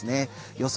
予想